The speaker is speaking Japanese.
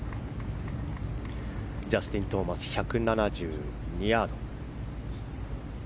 ジャスティン・トーマス１７２ヤード。